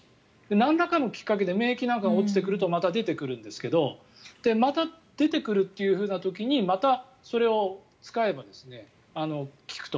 なんらかのきっかけで免疫なんかが落ちてくるとまた出てくるんですけどまた出てくるという時にまたそれを使えば効くと。